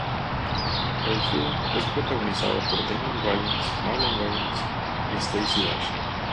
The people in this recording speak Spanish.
El film es protagonizado por Damon Wayans, Marlon Wayans y Stacey Dash.